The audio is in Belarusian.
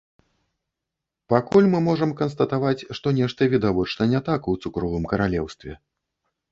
Пакуль мы можам канстатаваць, што нешта відавочна не так у цукровым каралеўстве.